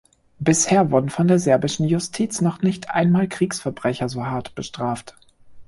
Bisher wurden von der serbischen Justiz noch nicht einmal Kriegsverbrecher so hart bestraft.